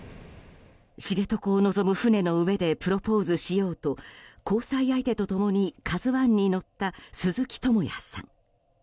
知床を臨む船の上でプロポーズをしようと交際相手と共に「ＫＡＺＵ１」に乗った鈴木智也さん。